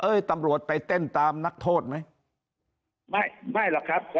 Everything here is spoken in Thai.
ตำรวจไปเต้นตามนักโทษไหมไม่ไม่หรอกครับ